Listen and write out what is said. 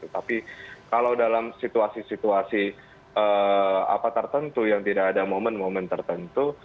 tapi kalau dalam situasi situasi tertentu yang tidak ada momen momen tertentu